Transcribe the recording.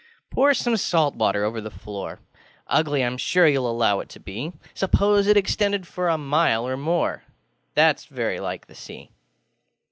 Pour some salt water over the floorŌĆö Ugly IŌĆÖm sure youŌĆÖll allow it to be: Suppose it extended a mile or more, ThatŌĆÖs very like the Sea.